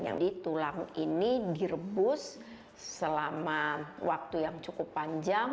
jadi tulang ini direbus selama waktu yang cukup panjang